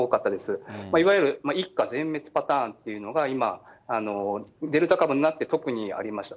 いわゆる一家全滅パターンっていうのが、今、デルタ株になって特にありました。